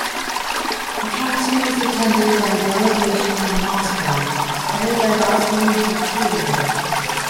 The Council was attended by a delegation from Moscow headed by Vasiliy Buturlin.